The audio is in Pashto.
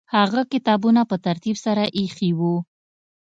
هغه کتابونه په ترتیب سره ایښي وو.